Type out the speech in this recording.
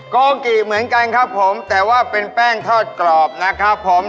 โกกิเหมือนกันครับผมแต่ว่าเป็นแป้งทอดกรอบนะครับผม